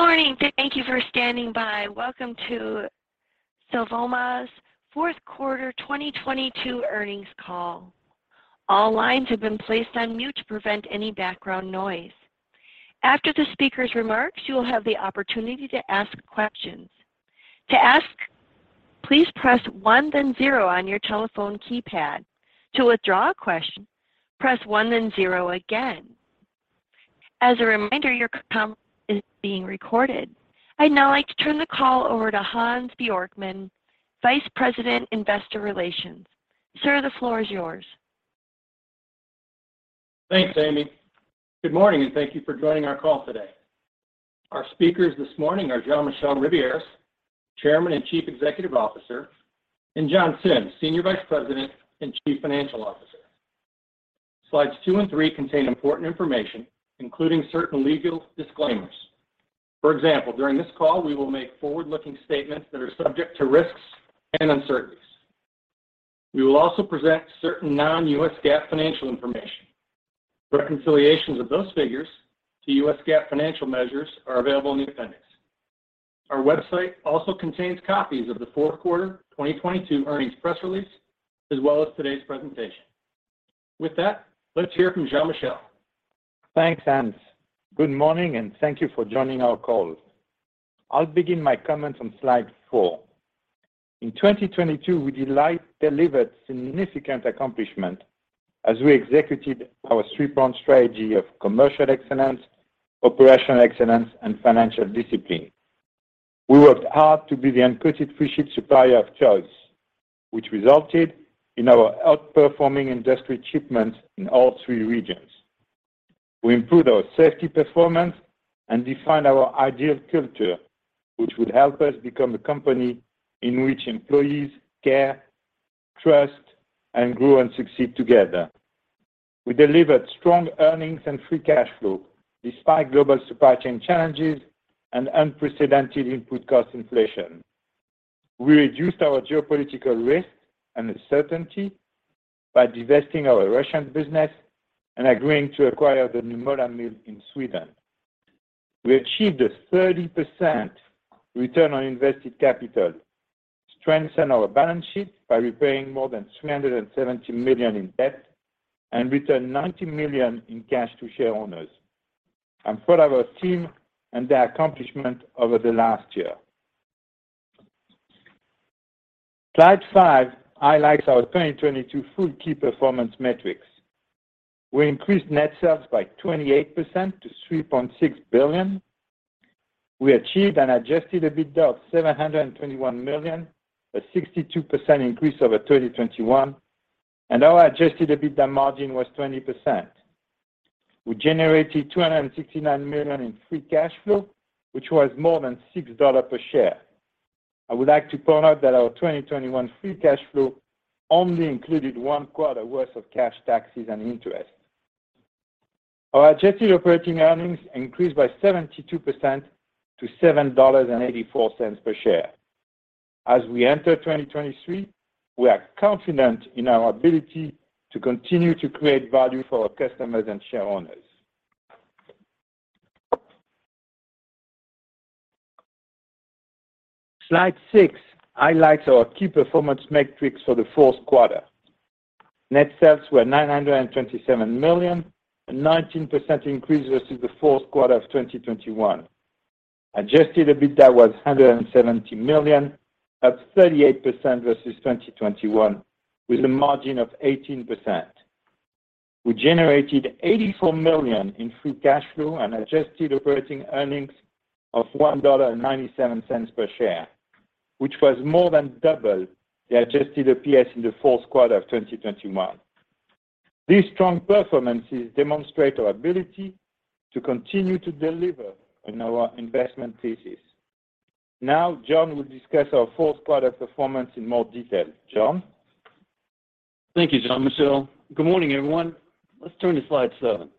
Good morning. Thank you for standing by. Welcome to Sylvamo's Fourth Quarter 2022 Earnings Call. All lines have been placed on mute to prevent any background noise. After the speaker's remarks, you will have the opportunity to ask questions. To ask, please press one then zero on your telephone keypad. To withdraw a question, press one then zero again. As a reminder, your call is being recorded. I'd now like to turn the call over to Hans Bjorkman, Vice President, Investor Relations. Sir, the floor is yours. Thanks, Amy. Good morning, and thank you for joining our call today. Our speakers this morning are Jean-Michel Ribiéras, Chairman and Chief Executive Officer, and John Sims, Senior Vice President and Chief Financial Officer. Slides two and three contain important information, including certain legal disclaimers. For example, during this call, we will make forward-looking statements that are subject to risks and uncertainties. We will also present certain non-U.S. GAAP financial information. Reconciliations of those figures to U.S. GAAP financial measures are available in the appendix. Our website also contains copies of the fourth quarter 2022 earnings press release, as well as today's presentation. With that, let's hear from Jean-Michel. Thanks, Hans. Good morning, and thank you for joining our call. I'll begin my comments on slide 4. In 2022, we delivered significant accomplishment as we executed our three-pronged strategy of commercial excellence, operational excellence, and financial discipline. We worked hard to be the uncoated freesheet supplier of choice, which resulted in our outperforming industry shipments in all three regions. We improved our safety performance and defined our ideal culture, which would help us become a company in which employees care, trust, and grow and succeed together. We delivered strong earnings and free cash flow despite global supply chain challenges and unprecedented input cost inflation. We reduced our geopolitical risk and uncertainty by divesting our Russian business and agreeing to acquire the Nymolla mill in Sweden. We achieved a 30% return on invested capital, strengthened our balance sheet by repaying more than $370 million in debt, and returned $90 million in cash to share owners. I'm proud of our team and their accomplishment over the last year. Slide five highlights our 2022 full key performance metrics. We increased net sales by 28% to $3.6 billion. We achieved an adjusted EBITDA of $721 million, a 62% increase over 2021, and our adjusted EBITDA margin was 20%. We generated $269 million in free cash flow, which was more than $6 per share. I would like to point out that our 2021 free cash flow only included one quarter worth of cash taxes and interest. Our adjusted operating earnings increased by 72% to $7.84 per share. As we enter 2023, we are confident in our ability to continue to create value for our customers and shareowners. Slide six highlights our key performance metrics for the fourth quarter. Net sales were $927 million, a 19% increase versus the fourth quarter of 2021. Adjusted EBITDA was $170 million, up 38% versus 2021 with a margin of 18%. We generated $84 million in free cash flow and adjusted operating earnings of $1.97 per share, which was more than double the adjusted EPS in the fourth quarter of 2021. These strong performances demonstrate our ability to continue to deliver on our investment thesis. Now, John will discuss our fourth quarter performance in more detail. John? Thank you, Jean-Michel. Good morning, everyone. Let's turn to slide seven.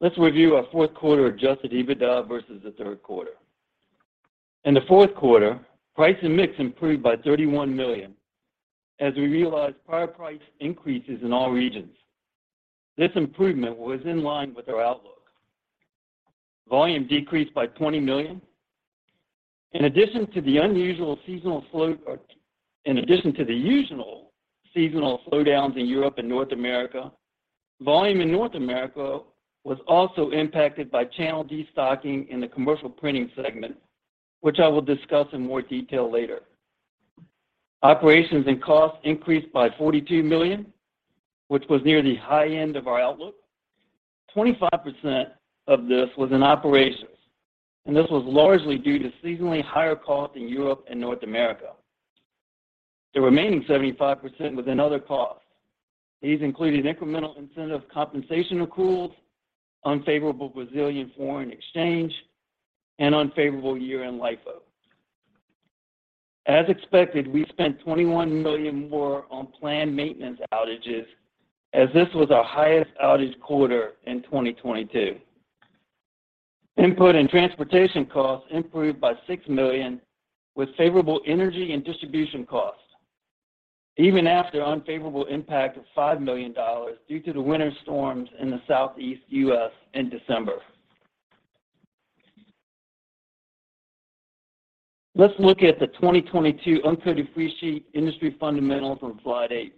Let's review our fourth quarter adjusted EBITDA versus the third quarter. In the fourth quarter, price and mix improved by $31 million as we realized prior price increases in all regions. This improvement was in line with our outlook. Volume decreased by $20 million. In addition to the usual seasonal slowdowns in Europe and North America, volume in North America was also impacted by channel destocking in the commercial printing segment, which I will discuss in more detail later. Operations and costs increased by $42 million, which was near the high end of our outlook. 25% of this was in operations. This was largely due to seasonally higher costs in Europe and North America. The remaining 75% was in other costs. These included incremental incentive compensation accruals, unfavorable Brazilian foreign exchange, and unfavorable year-end LIFO. As expected, we spent $21 million more on planned maintenance outages as this was our highest outage quarter in 2022. Input and transportation costs improved by $6 million with favorable energy and distribution costs. Even after unfavorable impact of $5 million due to the winter storms in the Southeast U.S. in December. Let's look at the 2022 uncoated freesheet industry fundamentals on slide eight.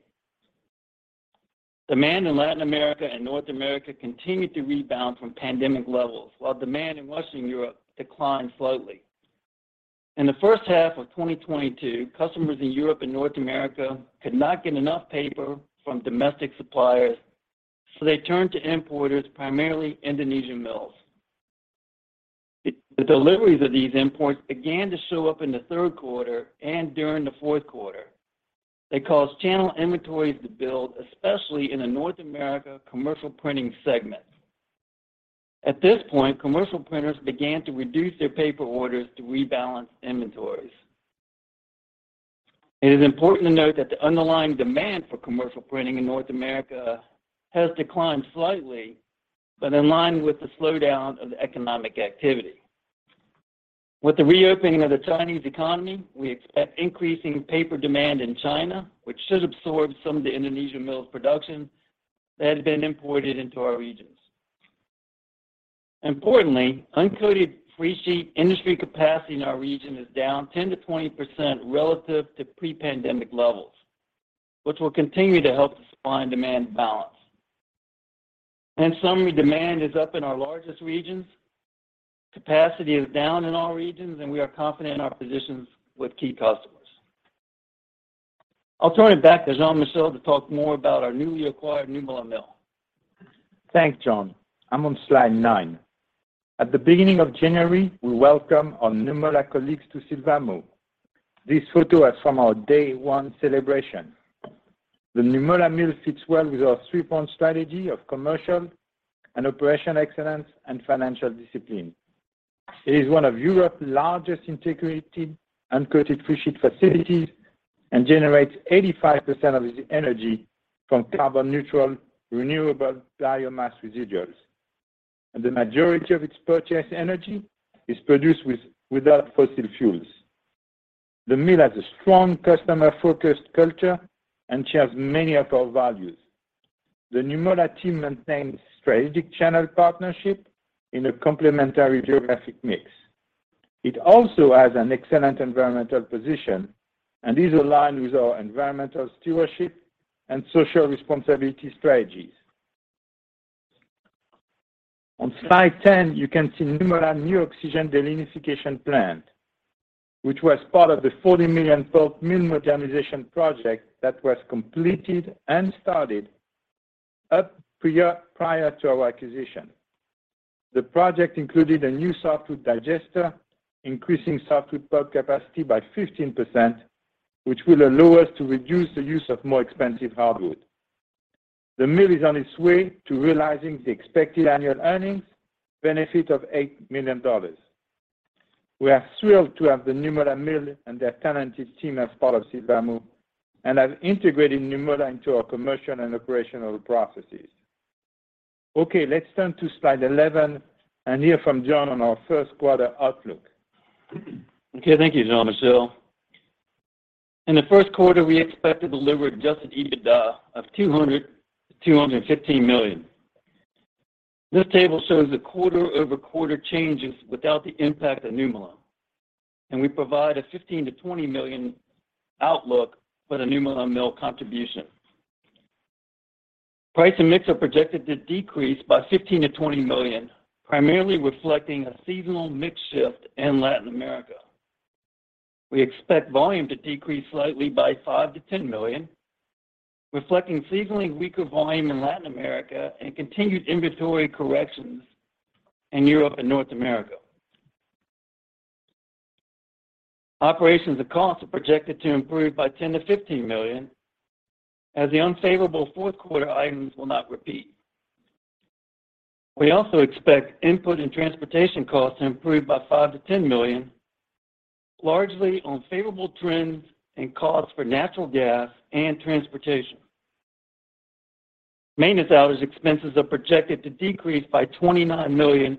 Demand in Latin America and North America continued to rebound from pandemic levels, while demand in Western Europe declined slightly. In the first half of 2022, customers in Europe and North America could not get enough paper from domestic suppliers, so they turned to importers, primarily Indonesian mills. The deliveries of these imports began to show up in the third quarter and during the fourth quarter. They caused channel inventories to build, especially in the North America commercial printing segment. At this point, commercial printers began to reduce their paper orders to rebalance inventories. It is important to note that the underlying demand for commercial printing in North America has declined slightly, but in line with the slowdown of economic activity. With the reopening of the Chinese economy, we expect increasing paper demand in China, which should absorb some of the Indonesian mills production that has been imported into our regions. Importantly, uncoated freesheet industry capacity in our region is down 10%-20% relative to pre-pandemic levels, which will continue to help the supply and demand balance. In summary, demand is up in our largest regions. Capacity is down in all regions, and we are confident in our positions with key customers. I'll turn it back to Jean-Michel to talk more about our newly acquired Nymolla mill. Thanks, John. I'm on slide nine. At the beginning of January, we welcome our Nymolla colleagues to Sylvamo. This photo is from our day one celebration. The Nymolla mill fits well with our three-prong strategy of commercial and operational excellence and financial discipline. It is one of Europe's largest integrated uncoated freesheet facilities and generates 85% of its energy from carbon-neutral renewable biomass residuals. The majority of its purchased energy is produced without fossil fuels. The mill has a strong customer-focused culture and shares many of our values. The Nymolla team maintains strategic channel partnership in a complementary geographic mix. It also has an excellent environmental position and is aligned with our environmental stewardship and social responsibility strategies. On slide 10, you can see Nymolla new oxygen delignification plant, which was part of the $40 million pulp mill modernization project that was completed and started up prior to our acquisition. The project included a new softwood digester, increasing softwood pulp capacity by 15%, which will allow us to reduce the use of more expensive hardwood. The mill is on its way to realizing the expected annual earnings benefit of $8 million. We are thrilled to have the Nymolla mill and their talented team as part of Sylvamo and have integrated Nymolla into our commercial and operational processes. Okay, let's turn to slide 11 and hear from John on our first quarter outlook. Okay. Thank you, Jean-Michel. In the first quarter, we expect to deliver adjusted EBITDA of $200 million-$215 million. This table shows the quarter-over-quarter changes without the impact of Nymolla, and we provide a $15 million-$20 million outlook for the Nymolla mill contribution. Price and mix are projected to decrease by $15 million-$20 million, primarily reflecting a seasonal mix shift in Latin America. We expect volume to decrease slightly by $5 million-$10 million, reflecting seasonally weaker volume in Latin America and continued inventory corrections in Europe and North America. Operations and costs are projected to improve by $10 million-$15 million, as the unfavorable fourth quarter items will not repeat. We also expect input and transportation costs to improve by $5 million-$10 million, largely on favorable trends and costs for natural gas and transportation. Maintenance outage expenses are projected to decrease by $29 million,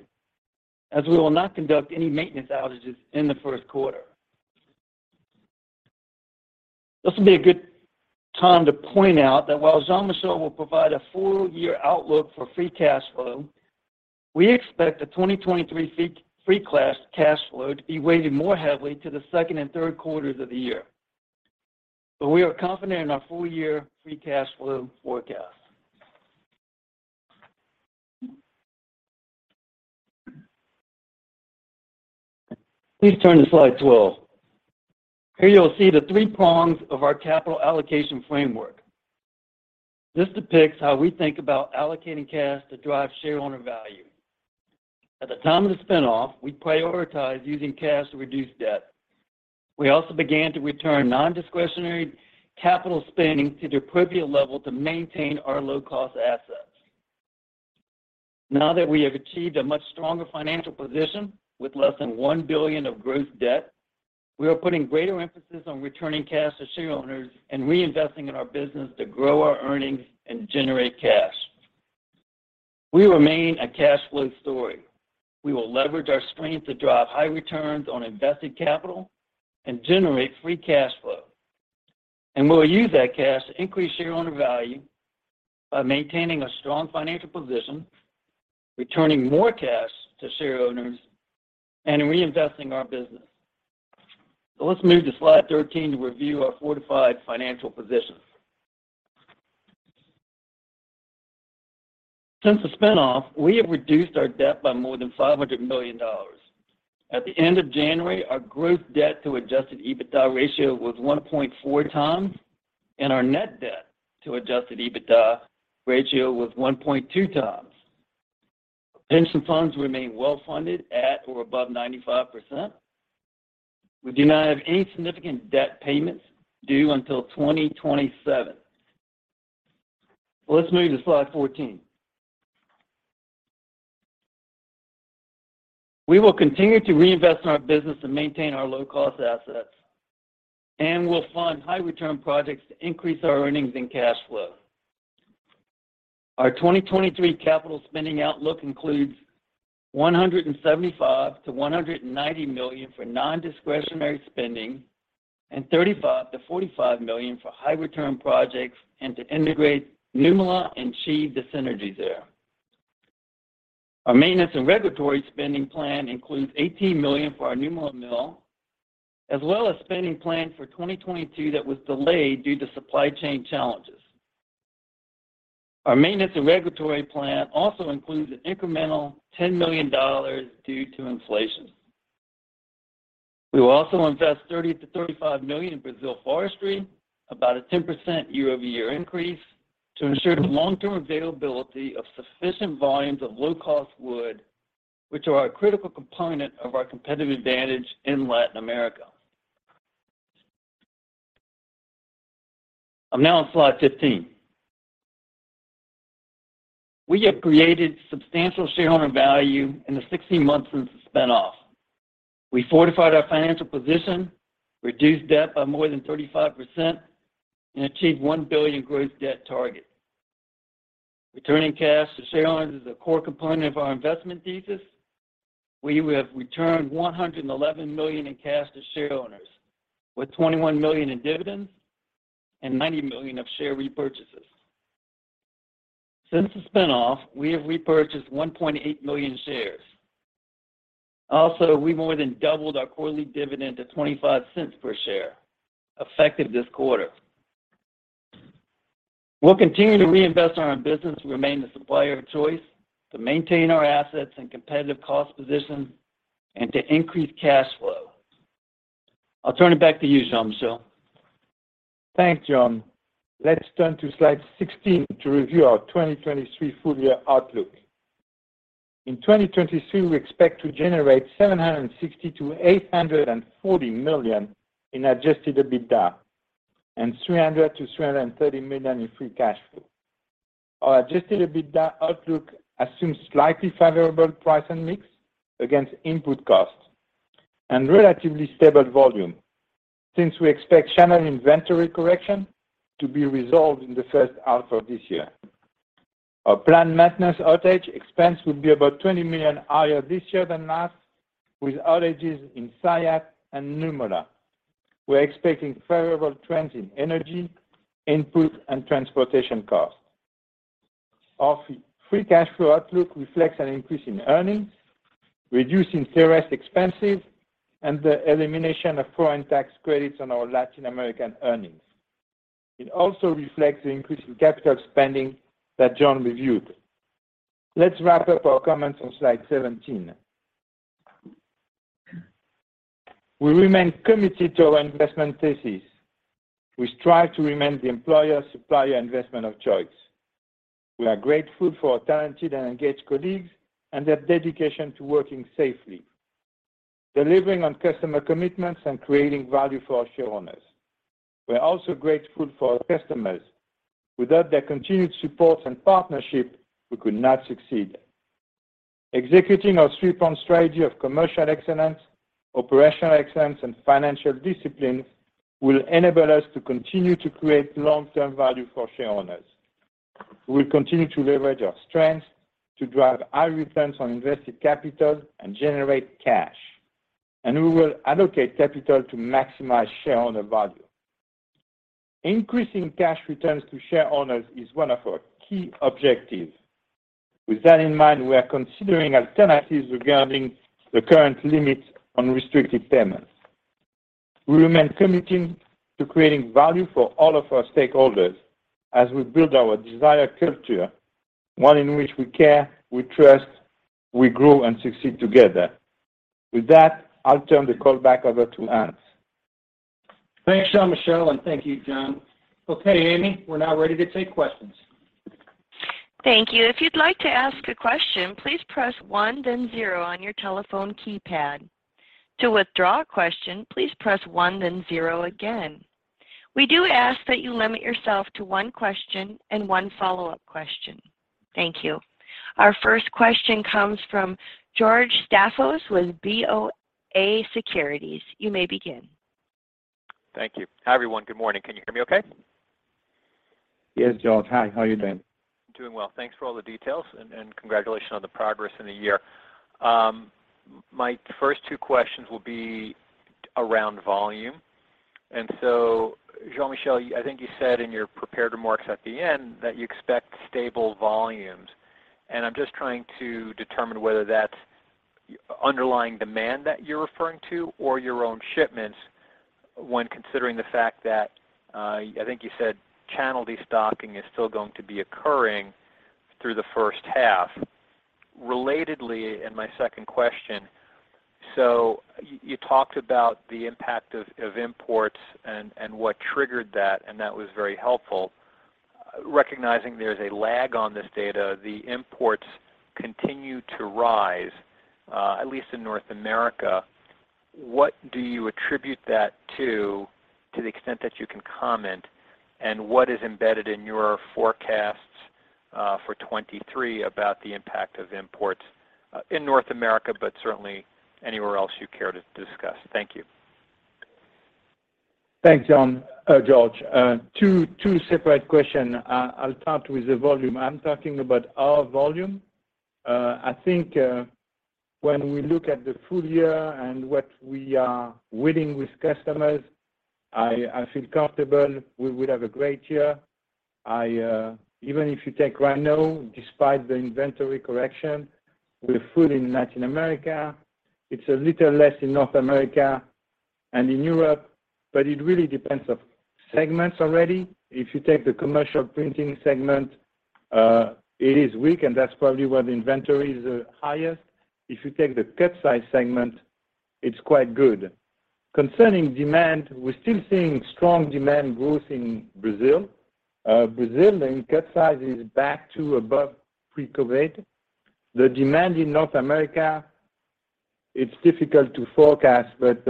as we will not conduct any maintenance outages in the first quarter. This would be a good time to point out that while Jean-Michel will provide a full year outlook for free cash flow, we expect the 2023 free cash flow to be weighted more heavily to the second and third quarters of the year. We are confident in our full year free cash flow forecast. Please turn to slide 12. Here you will see the three prongs of our capital allocation framework. This depicts how we think about allocating cash to drive shareowner value. At the time of the spin-off, we prioritized using cash to reduce debt. We also began to return nondiscretionary capital spending to the appropriate level to maintain our low-cost assets. Now that we have achieved a much stronger financial position with less than $1 billion of gross debt, we are putting greater emphasis on returning cash to shareowners and reinvesting in our business to grow our earnings and generate cash. We remain a cash flow story. We will leverage our strength to drive high return on invested capital and generate free cash flow. We'll use that cash to increase shareowner value by maintaining a strong financial position, returning more cash to shareowners, and in reinvesting our business. Let's move to slide 13 to review our fortified financial position. Since the spin-off, we have reduced our debt by more than $500 million. At the end of January, our gross debt to adjusted EBITDA ratio was 1.4 times, and our net debt to adjusted EBITDA ratio was 1.2 times. Pension funds remain well-funded at or above 95%. We do not have any significant debt payments due until 2027. Let's move to slide 14. We will continue to reinvest in our business and maintain our low-cost assets, and we'll fund high return projects to increase our earnings and cash flow. Our 2023 capital spending outlook includes $175 million-$190 million for nondiscretionary spending and $35 million-$45 million for high return projects and to integrate Nymolla and achieve the synergies there. Our maintenance and regulatory spending plan includes $18 million for our Nymolla mill, as well as spending plan for 2022 that was delayed due to supply chain challenges. Our maintenance and regulatory plan also includes an incremental $10 million due to inflation. We will also invest $30 million-$35 million in Brazil forestry, about a 10% year-over-year increase to ensure the long-term availability of sufficient volumes of low-cost wood, which are a critical component of our competitive advantage in Latin America. I'm now on slide 15. We have created substantial shareowner value in the 16 months since the spin-off. We fortified our financial position, reduced debt by more than 35%, and achieved $1 billion gross debt target. Returning cash to shareowners is a core component of our investment thesis. We have returned $111 million in cash to shareowners, with $21 million in dividends and $90 million of share repurchases. Since the spin-off, we have repurchased 1.8 million shares. We more than doubled our quarterly dividend to $0.25 per share, effective this quarter. We'll continue to reinvest in our business to remain the supplier of choice, to maintain our assets and competitive cost position, and to increase cash flow. I'll turn it back to you, Jean-Michel. Thanks, John. Let's turn to slide 16 to review our 2023 full-year outlook. In 2023, we expect to generate $760 million-$840 million in adjusted EBITDA and $300 million-$330 million in free cash flow. Our adjusted EBITDA outlook assumes slightly favorable price and mix against input costs and relatively stable volume since we expect channel inventory correction to be resolved in the first half of this year. Our planned maintenance outage expense will be about $20 million higher this year than last, with outages in Saillat and Nymolla. We're expecting favorable trends in energy, input, and transportation costs. Our free cash flow outlook reflects an increase in earnings, reducing interest expenses, and the elimination of foreign tax credits on our Latin American earnings. It also reflects the increase in capital spending that John reviewed. Let's wrap up our comments on slide 17. We remain committed to our investment thesis. We strive to remain the employer, supplier, investment of choice. We are grateful for our talented and engaged colleagues and their dedication to working safely, delivering on customer commitments, and creating value for our shareowners. We're also grateful for our customers. Without their continued support and partnership, we could not succeed. Executing our three-prong strategy of commercial excellence, operational excellence, and financial discipline will enable us to continue to create long-term value for shareowners. We will continue to leverage our strengths to drive high returns on invested capital and generate cash, and we will allocate capital to maximize shareowner value. Increasing cash returns to shareowners is one of our key objectives. With that in mind, we are considering alternatives regarding the current limits on restricted payments. We remain committed to creating value for all of our stakeholders as we build our desired culture, one in which we care, we trust, we grow and succeed together. With that, I'll turn the call back over to Hans. Thanks, Jean-Michel, and thank you, John. Okay, Amy, we're now ready to take questions. Thank you. If you'd like to ask a question, please press 1 then 0 on your telephone keypad. To withdraw a question, please press 1 then 0 again. We do ask that you limit yourself to 1 question and 1 follow-up question. Thank you. Our first question comes from George Staphos with BofA Securities. You may begin. Thank you. Hi, everyone. Good morning. Can you hear me okay? Yes, George. Hi, how are you doing? Doing well. Thanks for all the details and congratulations on the progress in the year. My first two questions will be around volume. Jean-Michel, I think you said in your prepared remarks at the end that you expect stable volumes. I'm just trying to determine whether that's underlying demand that you're referring to or your own shipments when considering the fact that I think you said channel destocking is still going to be occurring through the first half. Relatedly, my second question. You talked about the impact of imports and what triggered that, and that was very helpful. Recognizing there's a lag on this data, the imports continue to rise at least in North America. What do you attribute that to the extent that you can comment, and what is embedded in your forecasts, for 23 about the impact of imports, in North America, but certainly anywhere else you care to discuss? Thank you. Thanks, John, George. Two separate question. I'll start with the volume. I'm talking about our volume. I think, when we look at the full year and what we are winning with customers, I feel comfortable we will have a great year. I, even if you take right now, despite the inventory correction, we're full in Latin America. It's a little less in North America and in Europe, but it really depends on segments already. If you take the commercial printing segment, it is weak, and that's probably where the inventory is highest. If you take the cut size segment, it's quite good. Concerning demand, we're still seeing strong demand growth in Brazil. Brazil in cut size is back to above pre-COVID. The demand in North America, it's difficult to forecast, but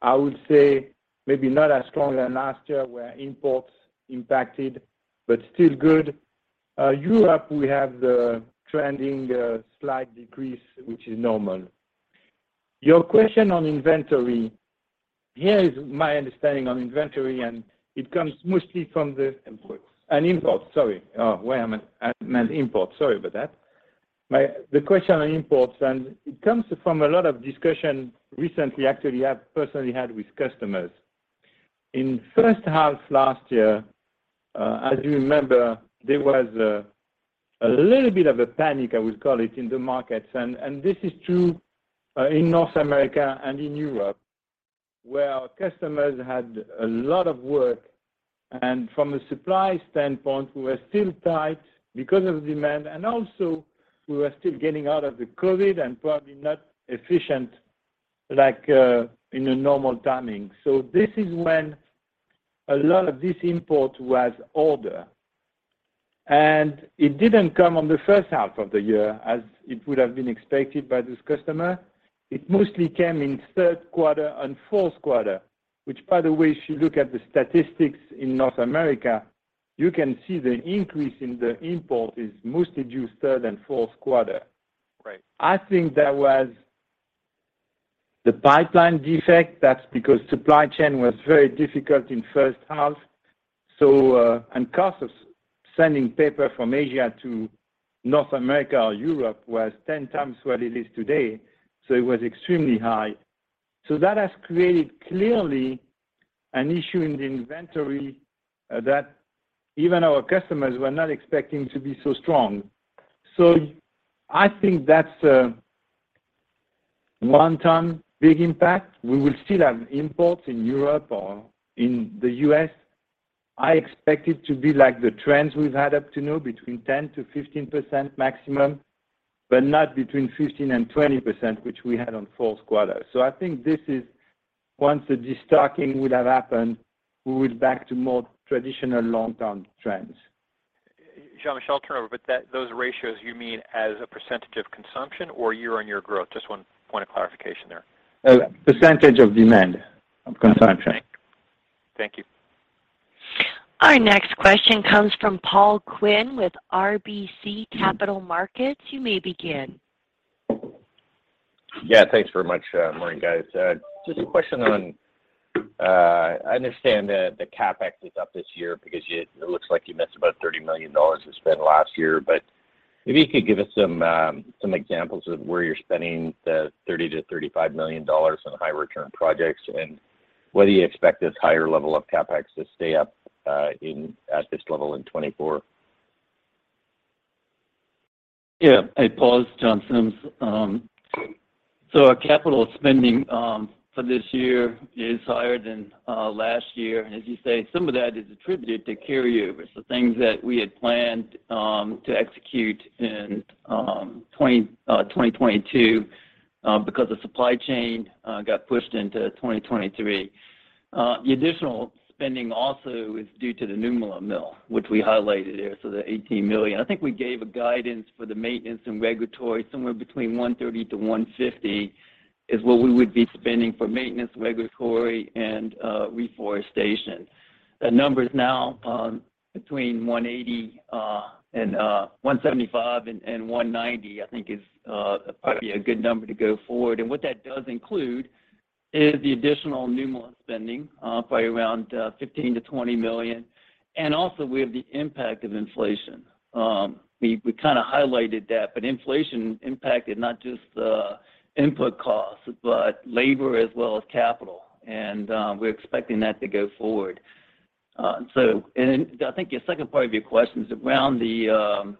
I would say maybe not as strong as last year where imports impacted, but still good. Europe, we have the trending, slight decrease, which is normal. Your question on inventory. Here is my understanding on inventory. It comes mostly from the Imports. Imports. Sorry. Where am I? I meant imports. Sorry about that. The question on imports, it comes from a lot of discussion recently, actually, I've personally had with customers. In first half last year, as you remember, there was a little bit of a panic, I would call it, in the markets. This is true in North America and in Europe, where our customers had a lot of work. From a supply standpoint, we were still tight because of demand, and also we were still getting out of the COVID and probably not efficient like in a normal timing. This is when a lot of this import was order. It didn't come on the first half of the year as it would have been expected by this customer. It mostly came in third quarter and fourth quarter, which by the way, if you look at the statistics in North America, you can see the increase in the import is mostly due third and fourth quarter. Right. I think that was the pipeline defect. That's because supply chain was very difficult in first half. The cost of sending paper from Asia to North America or Europe was 10 times what it is today, so it was extremely high. That has created clearly an issue in the inventory that even our customers were not expecting to be so strong. I think that's a long-term big impact. We will still have imports in Europe or in the U.S. I expect it to be like the trends we've had up to now, between 10%-15% maximum, but not between 15%-20%, which we had on fourth quarter. I think this is once the channel destocking would have happened, we will back to more traditional long-term trends. Jean-Michel, turn over. Those ratios, you mean as a percentage of consumption or year-on-year growth? Just one point of clarification there. Percentage of demand, of consumption. Thank you. Our next question comes from Paul Quinn with RBC Capital Markets. You may begin. Yeah. Thanks very much. Morning, guys. Just a question on, I understand that the CapEx is up this year because it looks like you missed about $30 million you spent last year. If you could give us some examples of where you're spending the $30 million-$35 million on high return projects, and whether you expect this higher level of CapEx to stay up, at this level in 2024. Yeah. Hey, Paul. It's John Sims. Our capital spending for this year is higher than last year. As you say, some of that is attributed to carryovers, the things that we had planned to execute in 2022, because of supply chain, got pushed into 2023. The additional spending also is due to the Nymolla mill, which we highlighted here, the $18 million. I think we gave a guidance for the maintenance and regulatory, somewhere between $130-$150 is what we would be spending for maintenance, regulatory, and reforestation. The number is now between $180 and $175 and $190, I think is probably a good number to go forward. What that does include is the additional Nymolla spending, probably around $15 million-$20 million, and also we have the impact of inflation. We kinda highlighted that, but inflation impacted not just the input costs, but labor as well as capital. We're expecting that to go forward. I think the second part of your question is around the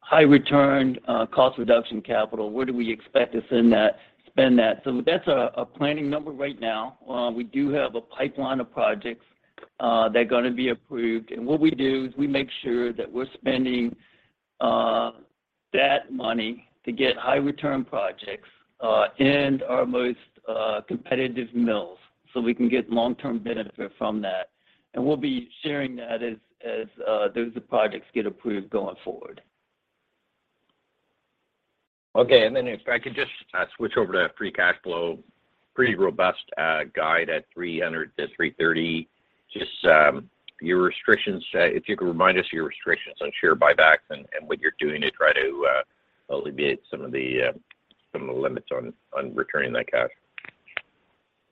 high return, cost reduction capital. Where do we expect to spend that? That's a planning number right now. We do have a pipeline of projects that are gonna be approved. What we do is we make sure that we're spending that money to get high return projects in our most competitive mills, so we can get long-term benefit from that. We'll be sharing that as those projects get approved going forward. If I could just switch over to free cash flow. Pretty robust guide at $300 million-$330 million. Just your restrictions, if you could remind us of your restrictions on share buybacks and what you're doing to try to alleviate some of the limits on returning that cash?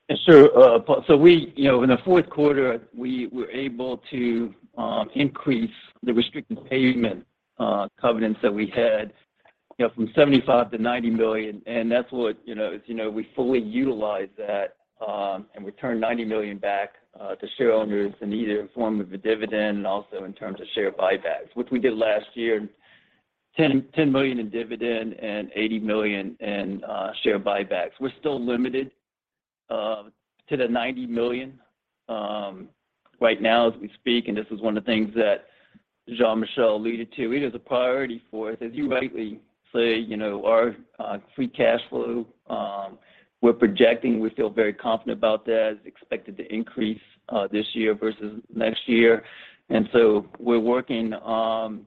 We, you know, in the fourth quarter, we were able to increase the restricted payment covenants that we had, you know, from 75 to $90 million, and that's what, you know, we fully utilized that and returned $90 million back to shareholders in either form of a dividend and also in terms of share buybacks, which we did last year, $10 million in dividend and $80 million in share buybacks. We're still limited to the $90 million right now as we speak, and this is one of the things that Jean-Michel alluded to. It is a priority for us. As you rightly say, our free cash flow, we're projecting, we feel very confident about that. It's expected to increase this year versus next year. We're working on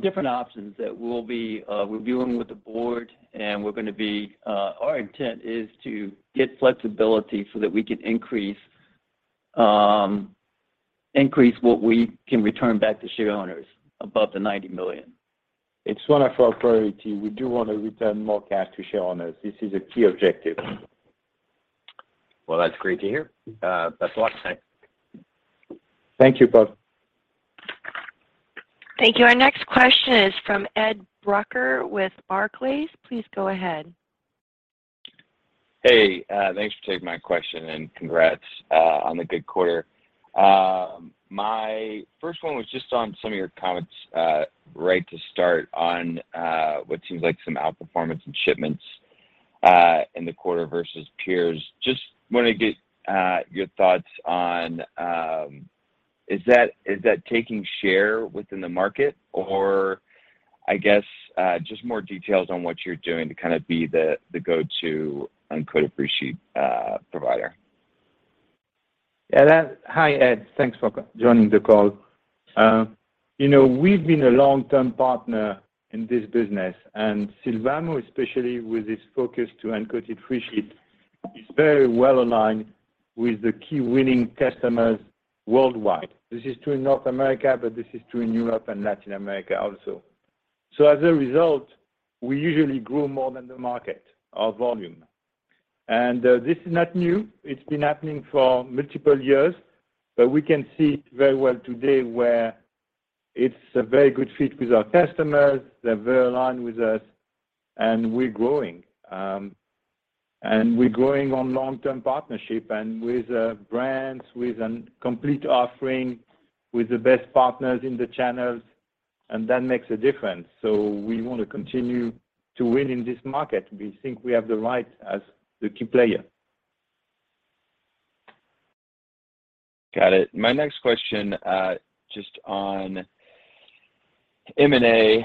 different options that we'll be reviewing with the board. Our intent is to get flexibility so that we can increase what we can return back to shareholders above $90 million. It's one of our priority. We do want to return more cash to shareholders. This is a key objective. Well, that's great to hear. That's all I have to say. Thank you, Paul. Thank you. Our next question is from Ed Brucker with Barclays. Please go ahead. Hey, thanks for taking my question, and congrats on the good quarter. My first one was just on some of your comments right to start on what seems like some outperformance in shipments in the quarter versus peers. Just want to get your thoughts on, is that taking share within the market? I guess, just more details on what you're doing to kind of be the go-to uncoated freesheet provider. Hi, Ed. Thanks for joining the call. you know, we've been a long-term partner in this business, and Sylvamo, especially with his focus to uncoated freesheet, is very well aligned with the key winning customers worldwide. This is true in North America, but this is true in Europe and Latin America also. As a result, we usually grow more than the market, our volume. This is not new. It's been happening for multiple years. We can see it very well today, where it's a very good fit with our customers, they're very aligned with us, and we're growing. we're growing on long-term partnership and with brands, with a complete offering, with the best partners in the channels, and that makes a difference. We want to continue to win in this market. We think we have the right as the key player. Got it. My next question, just on M&A.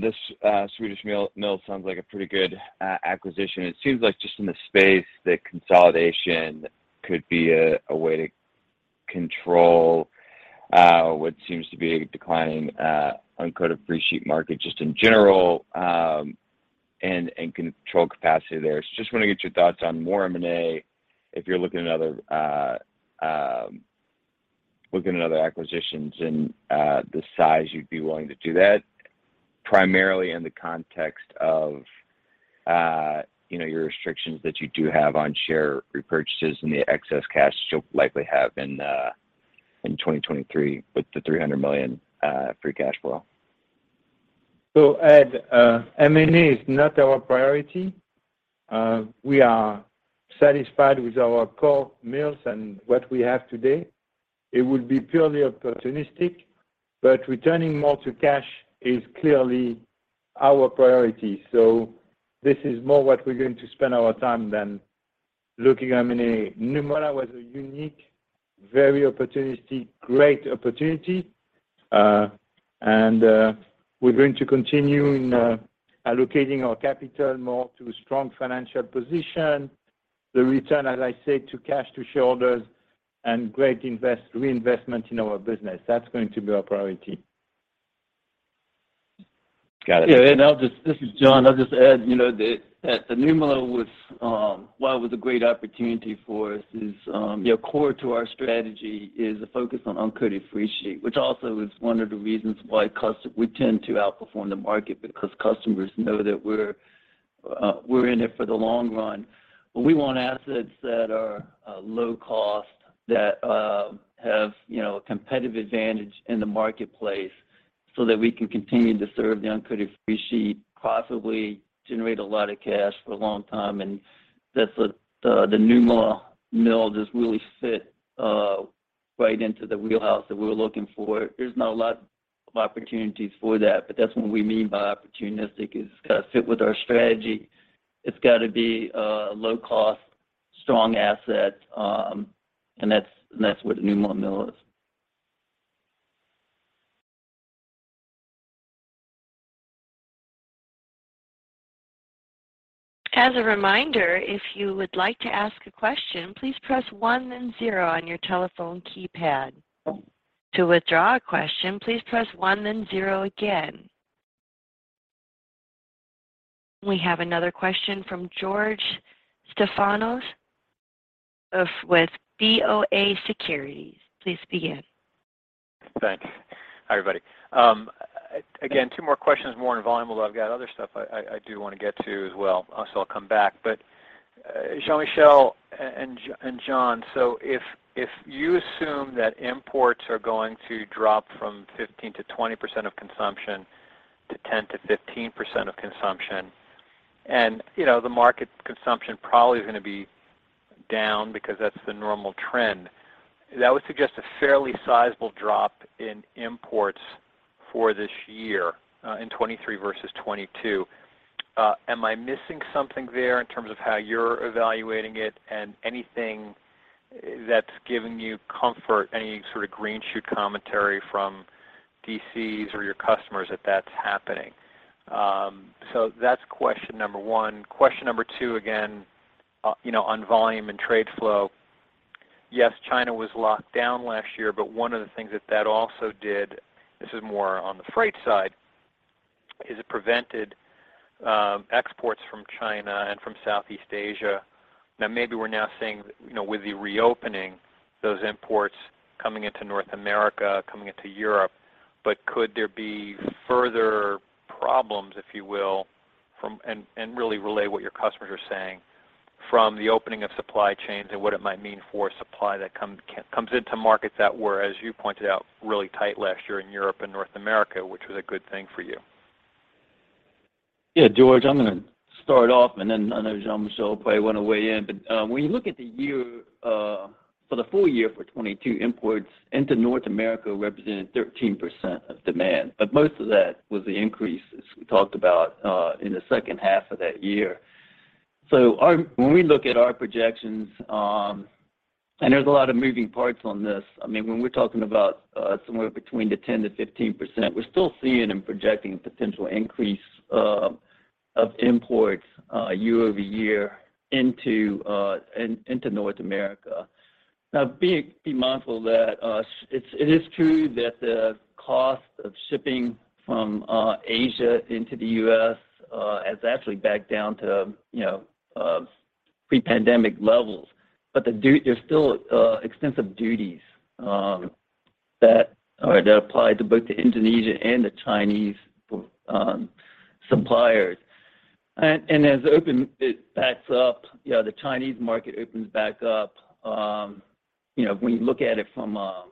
This Swedish mill sounds like a pretty good acquisition. It seems like just in the space that consolidation could be a way to control what seems to be a declining uncoated freesheet market just in general, and control capacity there. Just wanna get your thoughts on more M&A, if you're looking at other looking at other acquisitions and the size you'd be willing to do that, primarily in the context of, you know, your restrictions that you do have on share repurchases and the excess cash that you'll likely have in 2023 with the $300 million free cash flow. Ed, M&A is not our priority. We are satisfied with our core mills and what we have today. It would be purely opportunistic, but returning more to cash is clearly our priority. This is more what we're going to spend our time than looking at M&A. Nymolla was a unique, very opportunistic, great opportunity, and we're going to continue in allocating our capital more to a strong financial position, the return, as I said, to cash to shareholders and great reinvestment in our business. That's going to be our priority. Got it. Yeah, this is John. I'll just add, you know, that the Nymolla was why it was a great opportunity for us is, you know, core to our strategy is a focus on uncoated freesheet, which also is one of the reasons why we tend to outperform the market because customers know that we're in it for the long run. We want assets that are low cost, that have, you know, a competitive advantage in the marketplace so that we can continue to serve the uncoated freesheet, possibly generate a lot of cash for a long time. That's what the Nymolla Mill just really fit right into the wheelhouse that we were looking for. There's not a lot of opportunities for that, but that's what we mean by opportunistic. It's gotta fit with our strategy. It's gotta be a low cost, strong asset, and that's what Nymolla Mill is. As a reminder, if you would like to ask a question, please press one then zero on your telephone keypad. To withdraw a question, please press one then zero again. We have another question from George Staphos with BofA Securities. Please begin. Thanks. Hi, everybody. again, two more questions, more on volume, although I do wanna get to as well, so I'll come back. Jean-Michel and John, so if you assume that imports are going to drop from 15%-20% of consumption to 10%-15% of consumption, and, you know, the market consumption probably is gonna be down because that's the normal trend, that would suggest a fairly sizable drop in imports for this year, in 2023 versus 2022. Am I missing something there in terms of how you're evaluating it and anything that's giving you comfort, any sort of green shoot commentary from DCs or your customers that that's happening? That's question number one. Question number two, again, you know, on volume and trade flow. Yes, China was locked down last year, but one of the things that that also did, this is more on the freight side, is it prevented exports from China and from Southeast Asia. Now, maybe we're now seeing that, you know, with the reopening, those imports coming into North America, coming into Europe, but could there be further problems, if you will. Really relay what your customers are saying from the opening of supply chains and what it might mean for supply that comes into markets that were, as you pointed out, really tight last year in Europe and North America, which was a good thing for you. Yeah, George, I'm gonna start off, and then I know Jean-Michel will probably wanna weigh in. When you look at the year, for the full year for 2022, imports into North America represented 13% of demand. Most of that was the increase, as we talked about, in the second half of that year. When we look at our projections, and there's a lot of moving parts on this. I mean, when we're talking about somewhere between the 10%-15%, we're still seeing and projecting a potential increase of imports year over year into North America. Be mindful that it is true that the cost of shipping from Asia into the U.S. has actually backed down to, you know, pre-pandemic levels. There's still extensive duties that apply to both the Indonesia and the Chinese suppliers. As it backs up, you know, the Chinese market opens back up, you know, when you look at it from a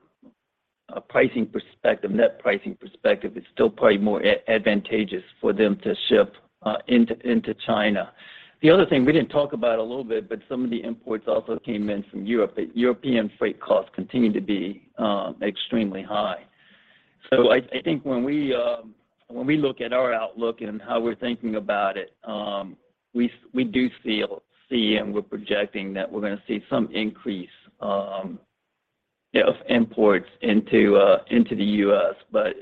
pricing perspective, net pricing perspective, it's still probably more advantageous for them to ship into China. The other thing we didn't talk about a little bit, but some of the imports also came in from Europe. The European freight costs continue to be extremely high. I think when we look at our outlook and how we're thinking about it, we see and we're projecting that we're gonna see some increase, you know, of imports into into the U.S.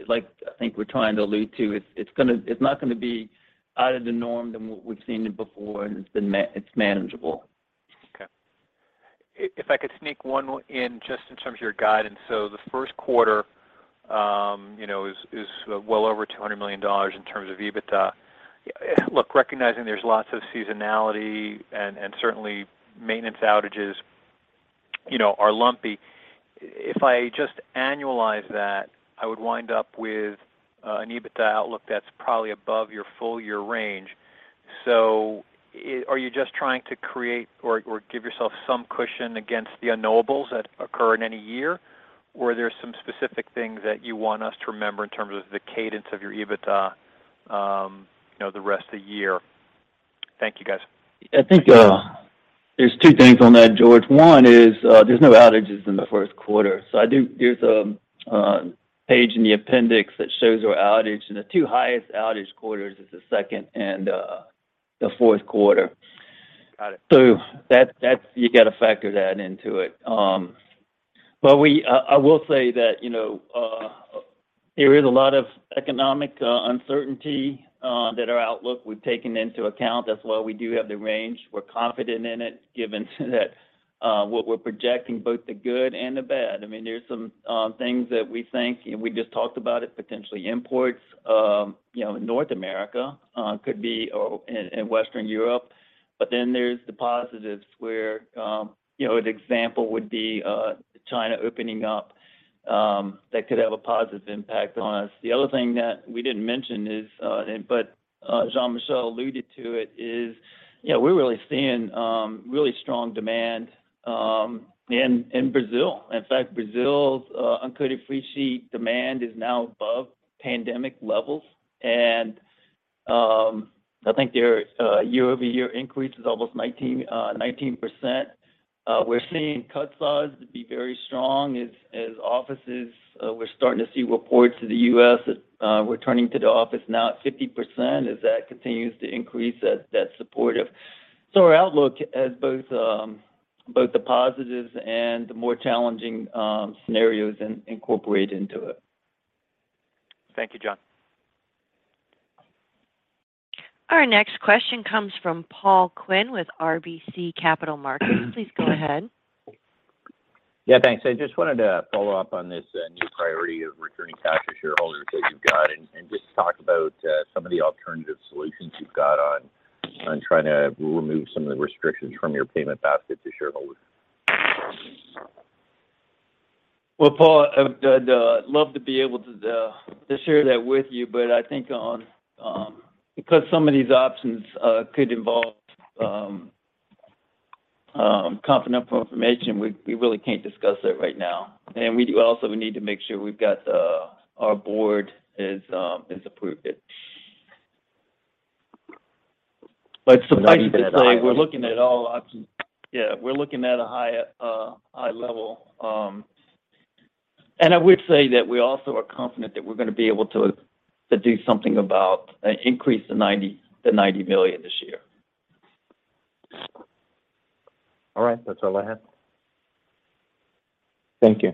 Like I think we're trying to allude to, it's not gonna be out of the norm than what we've seen it before, and it's been it's manageable. Okay. If I could sneak one more in just in terms of your guidance. The first quarter, you know, is well over $200 million in terms of EBITDA. Look, recognizing there's lots of seasonality and certainly maintenance outages, you know, are lumpy, if I just annualize that, I would wind up with an EBITDA outlook that's probably above your full year range. Are you just trying to create or give yourself some cushion against the unknowables that occur in any year, or are there some specific things that you want us to remember in terms of the cadence of your EBITDA, you know, the rest of the year? Thank you, guys. I think, there's two things on that, George. One is, there's no outages in the first quarter. There's a page in the appendix that shows our outage, and the two highest outage quarters is the second and the fourth quarter. Got it. That's you gotta factor that into it. I will say that, you know, there is a lot of economic uncertainty that our outlook we've taken into account. That's why we do have the range. We're confident in it given that what we're projecting both the good and the bad. I mean, there's some things that we think, and we just talked about it, potentially imports, you know, North America could be or in Western Europe. There's the positives where, you know, an example would be China opening up that could have a positive impact on us. The other thing that we didn't mention is Jean-Michel alluded to it, is you know, we're really seeing really strong demand in Brazil. In fact, Brazil's uncoated freesheet demand is now above pandemic levels. I think their year-over-year increase is almost 19%. We're seeing cut size to be very strong as offices. We're starting to see reports of the U.S. that returning to the office now at 50%. As that continues to increase, that's supportive. Our outlook has both both the positives and the more challenging scenarios incorporated into it. Thank you, John. Our next question comes from Paul Quinn with RBC Capital Markets. Please go ahead. Yeah, thanks. I just wanted to follow up on this new priority of returning cash to shareholders that you've got, and just talk about some of the alternative solutions you've got on trying to remove some of the restrictions from your payment basket to shareholders. Well, Paul, I would love to be able to share that with you, but I think on because some of these options could involve confidential information, we really can't discuss that right now. We do also need to make sure we've got our board has approved it. Suffice it to say, we're looking at all options. Yeah, we're looking at a high eye level. I would say that we also are confident that we're gonna be able to do something about and increase the $90 million this year. All right. That's all I have. Thank you.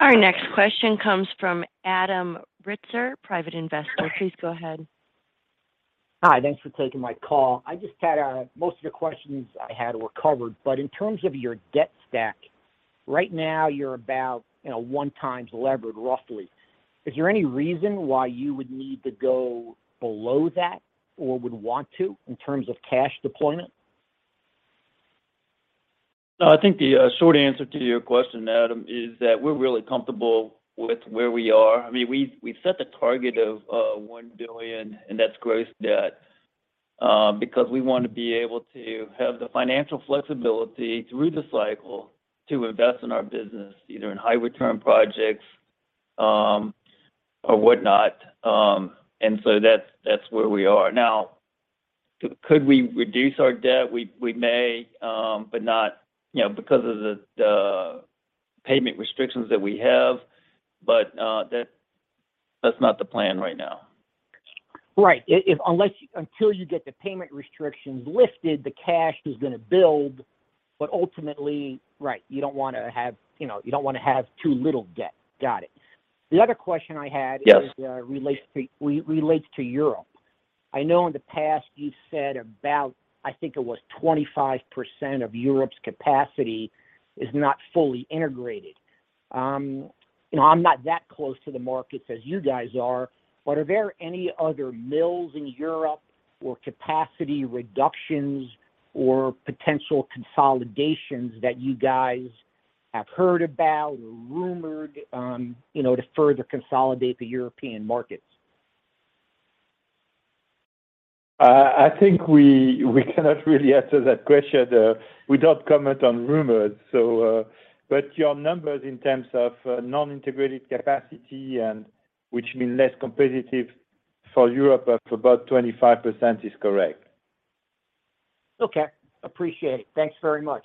Our next question comes from Adam Ritzer, Private Investor. Please go ahead. Hi. Thanks for taking my call. I just had most of the questions I had were covered. In terms of your debt stack, right now you're about, you know, 1 times levered roughly. Is there any reason why you would need to go below that or would want to in terms of cash deployment? No, I think the short answer to your question, Adam, is that we're really comfortable with where we are. I mean, we set the target of $1 billion, and that's gross debt, because we wanna be able to have the financial flexibility through the cycle to invest in our business, either in high return projects, or whatnot. That's where we are. Now, could we reduce our debt? We may, but not, you know, because of the payment restrictions that we have. That's not the plan right now. Right. Until you get the payment restrictions lifted, the cash is gonna build. Ultimately, right, you don't wanna have, you know, you don't wanna have too little debt. Got it. The other question I had. Yes. -is, relates to Europe. I know in the past you said about, I think it was 25% of Europe's capacity is not fully integrated. you know, I'm not that close to the markets as you guys are there any other mills in Europe or capacity reductions or potential consolidations that you guys have heard about or rumored, you know, to further consolidate the European markets? I think we cannot really answer that question. We don't comment on rumors. Your numbers in terms of non-integrated capacity and which mean less competitive for Europe of about 25% is correct. Okay. Appreciate it. Thanks very much.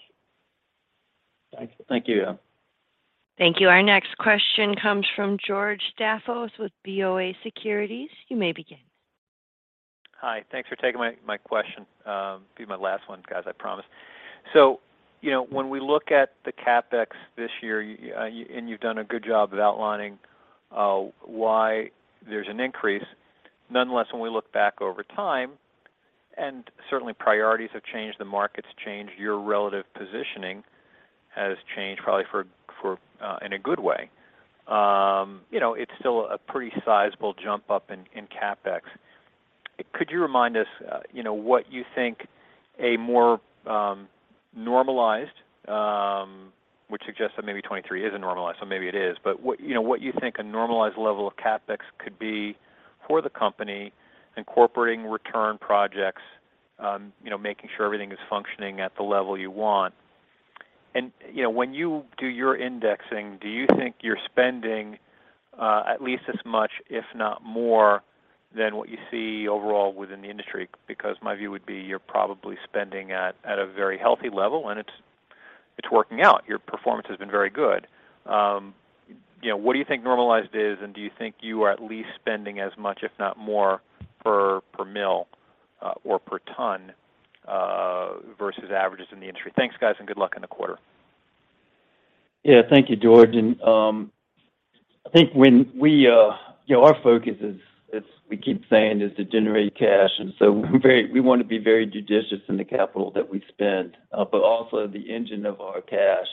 Thank you. Thank you, Adam. Thank you. Our next question comes from George Staphos with BofA Securities. You may begin. Hi. Thanks for taking my question. Be my last one, guys, I promise. You know, when we look at the CapEx this year, and you've done a good job of outlining why there's an increase. Nonetheless, when we look back over time, and certainly priorities have changed, the market's changed, your relative positioning has changed, probably for in a good way. You know, it's still a pretty sizable jump up in CapEx. Could you remind us, you know, what you think a more normalized, which suggests that maybe 2023 isn't normalized, so maybe it is. What, you know, what you think a normalized level of CapEx could be for the company, incorporating return projects, you know, making sure everything is functioning at the level you want. you know, when you do your indexing, do you think you're spending at least as much, if not more, than what you see overall within the industry? Because my view would be you're probably spending at a very healthy level, and it's working out. Your performance has been very good. you know, what do you think normalized is, and do you think you are at least spending as much, if not more, per mill or per ton versus averages in the industry? Thanks, guys, and good luck in the quarter. Yeah. Thank you, George. I think when we, you know, our focus is we keep saying is to generate cash, we wanna be very judicious in the capital that we spend. Also the engine of our cash,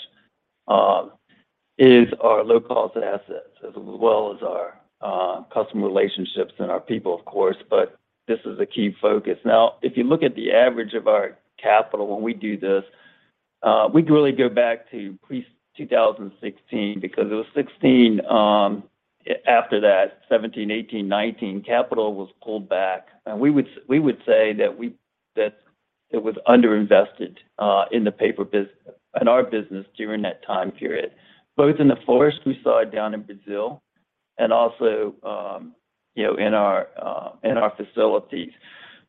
is our low-cost assets as well as our customer relationships and our people, of course. This is a key focus. If you look at the average of our capital when we do this, we can really go back to pre 2016 because it was 2016, after that, 2017, 2018, 2019, capital was pulled back. We would say that it was under-invested in the paper business in our business during that time period, both in the forest we saw down in Brazil and also, you know, in our facilities.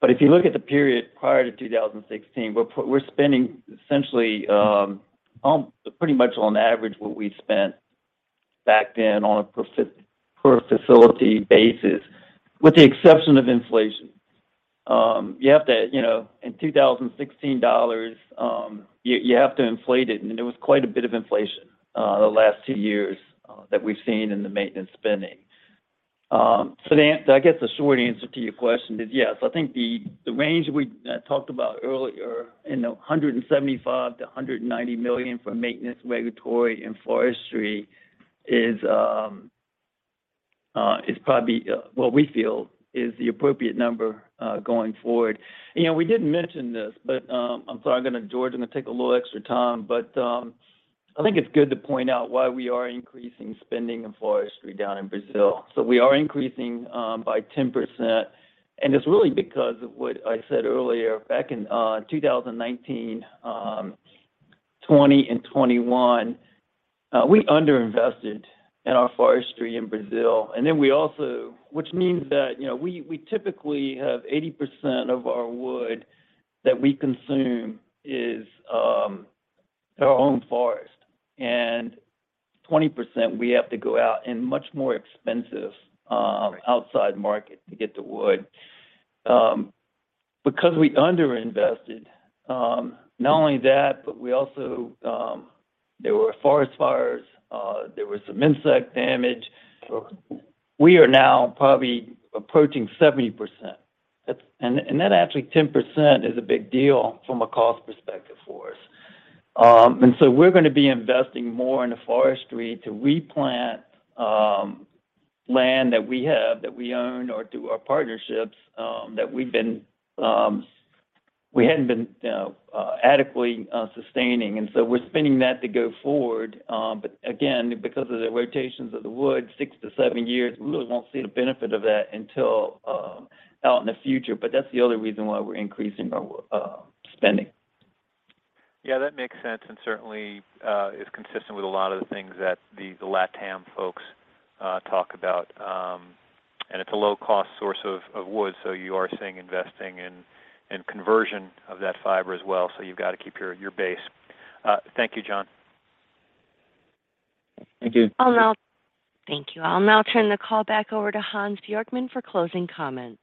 If you look at the period prior to 2016, we're spending essentially pretty much on average what we spent back then on a per facility basis, with the exception of inflation. You have to, you know, in $2016, you have to inflate it, and there was quite a bit of inflation the last two years that we've seen in the maintenance spending. The I guess the short answer to your question is yes. I think the range we talked about earlier in the $175 million-$190 million for maintenance, regulatory, and forestry is probably what we feel is the appropriate number going forward. You know, we didn't mention this, but I'm sorry, I'm gonna George, I'm gonna take a little extra time, but I think it's good to point out why we are increasing spending in forestry down in Brazil. We are increasing by 10%, and it's really because of what I said earlier. Back in 2019, 2020, and 2021, we under-invested in our forestry in Brazil, we also... Which means that, you know, we typically have 80% of our wood that we consume is our own forest, and 20%, we have to go out in much more expensive outside market to get the wood. Because we under-invested, not only that, but we also, there were forest fires, there was some insect damage. We are now probably approaching 70%. And that actually 10% is a big deal from a cost perspective for us. We're gonna be investing more in the forestry to replant land that we have, that we own or through our partnerships, that we've been, we hadn't been, you know, adequately sustaining. We're spending that to go forward. Again, because of the rotations of the wood, six to seven years, we really won't see the benefit of that until out in the future, but that's the other reason why we're increasing our spending. Yeah, that makes sense and certainly, is consistent with a lot of the things that the LatAm folks, talk about. It's a low-cost source of wood, so you are seeing investing in conversion of that fiber as well. You've got to keep your base. Thank you, John. Thank you. Thank you. I'll now turn the call back over to Hans Bjorkman for closing comments.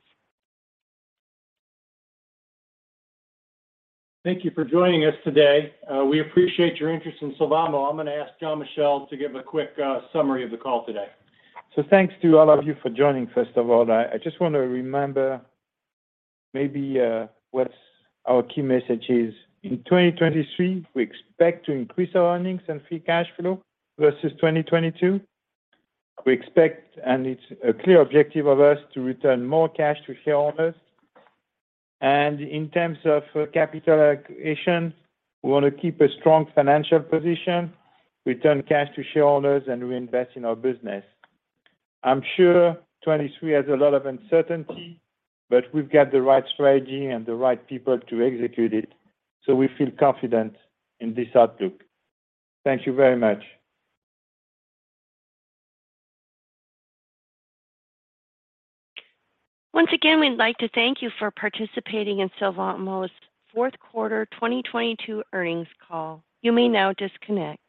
Thank you for joining us today. We appreciate your interest in Sylvamo. I'm gonna ask Jean-Michel to give a quick summary of the call today. Thanks to all of you for joining, first of all. I just want to remember maybe what's our key message is. In 2023, we expect to increase our earnings and free cash flow versus 2022. We expect, and it's a clear objective of us, to return more cash to shareholders. In terms of capital allocation, we wanna keep a strong financial position, return cash to shareholders, and reinvest in our business. I'm sure 2023 has a lot of uncertainty, but we've got the right strategy and the right people to execute it, so we feel confident in this outlook. Thank you very much. Once again, we'd like to thank you for participating in Sylvamo's fourth quarter 2022 earnings call. You may now disconnect.